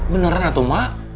beneran atau mak